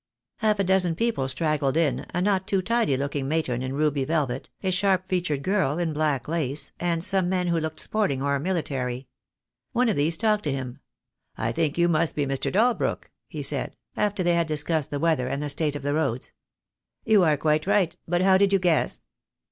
Half a dozen people straggled in, a not too tidy look ing matron in ruby velvet, a sharp featured girl in black lace, and some men who looked sporting or military. One of these talked to him. "I think you must be Mr. Dalbrook," he said, after they had discussed the weather and the state of the roads. "You are quite right — but how did you guess?"